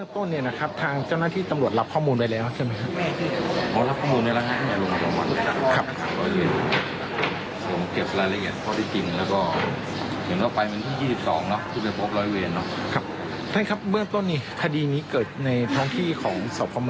คนที่เกี่ยวของให้รับทราบในส่วนที่มันเกิดขึ้นก็ไม่ได้จริง